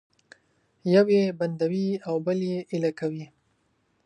یو یې بندوي او بل یې ایله کوي